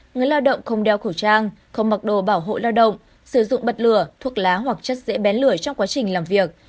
người lao động không đeo khẩu trang không mặc đồ bảo hộ lao động sử dụng bật lửa thuốc lá hoặc chất dễ bén lửa trong quá trình làm việc